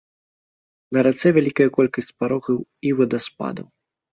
На рацэ вялікая колькасць парогаў і вадаспадаў.